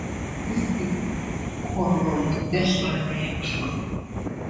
This is a glucuronidation reaction.